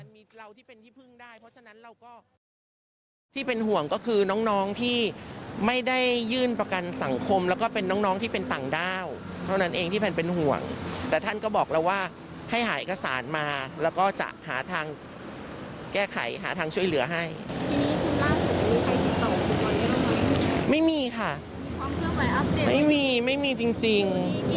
ไม่มีค่ะไม่มีไม่มีจริง